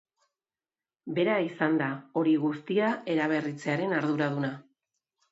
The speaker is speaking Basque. Bera izan da hori guztia eraberritzearen arduraduna.